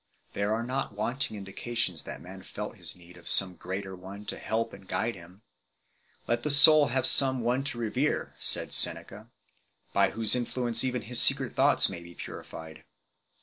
There are not wanting indications that man felt his need of some greater one to help and guide him. " Let the soul have some one to revere," said Seneca 1 ," by whose influence even his secret thoughts may be purified.